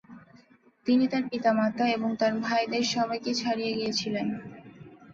তিনি তার পিতা-মাতা এবং তাঁর ভাইদের সবাইকে ছাড়িয়ে গিয়েছিলেন।